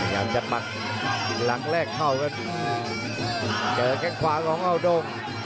อยากจะมาหลังแรกเข้ากันเกินแก้งขวาของอ่าวดง